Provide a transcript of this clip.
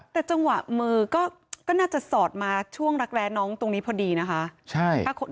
แต่จังหวะมือก็น่าจะสอดมาช่วงรักแร้น้องตรงนี้พอดีนะคะ